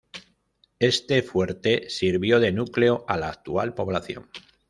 Este fuerte sirvió de núcleo a la actual población.